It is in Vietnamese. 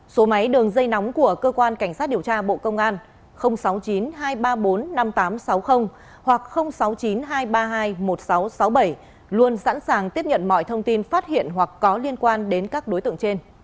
số máy đường dây nóng của cơ quan cảnh sát điều tra bộ công an sáu mươi chín hai trăm ba mươi bốn năm nghìn tám trăm sáu mươi hoặc sáu mươi chín hai trăm ba mươi hai một nghìn sáu trăm sáu mươi bảy luôn sẵn sàng tiếp nhận mọi thông tin phát hiện hoặc có liên quan đến các đối tượng trên